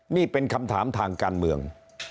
นี่เป็นคำถามทางการเมือง